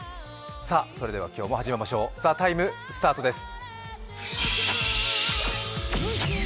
今日も始めましょう「ＴＨＥＴＩＭＥ，」スタートです。